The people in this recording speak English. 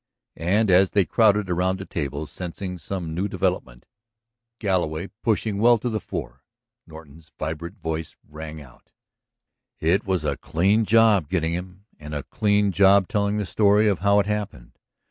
And as they crowded about the table, sensing some new development, Galloway pushing well to the fore, Norton's vibrant voice rang out: "It was a clean job getting him, and a clean job telling the story of how it happened.